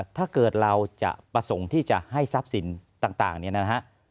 ถ้าเกิดเราจะประสงค์ที่จะให้ทรัพย์สินต่างเนี่ยนะฮะ